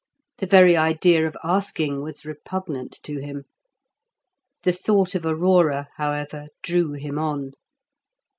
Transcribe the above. The very idea of asking was repugnant to him. The thought of Aurora, however, drew him on.